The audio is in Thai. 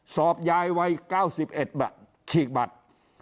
สอบยายวัย๙๑บัตรฉีกบัตร